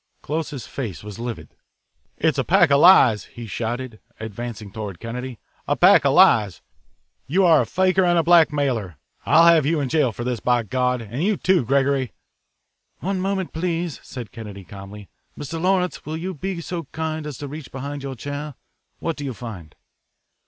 Close's face was livid. "It's a pack of lies!" he shouted, advancing toward Kennedy, "a pack of lies! You are a fakir and a blackmailer. I'll have you in jail for this, by God and you too, Gregory." "One moment, please," said Kennedy calmly. "Mr. Lawrence, will you be so kind as to reach behind your chair? What do you find?"